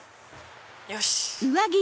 よし！